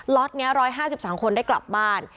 ็อตนี้๑๕๓คนได้กลับบ้าน